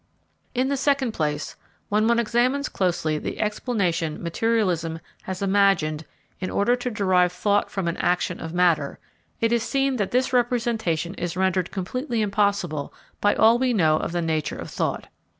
In the second place, when one examines closely the explanation materialism has imagined in order to derive thought from an action of matter, it is seen that this representation is rendered completely impossible by all we know of the nature of thought.